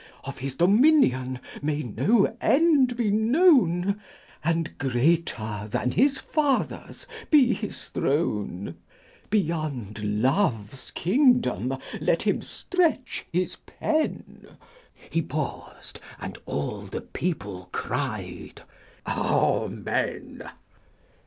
Of his dominion may no end be known, hi And greater than his father's be his throne ; Beyond Love's kingdom let him stretch his pen !— He paused, and all the people cried, Amen.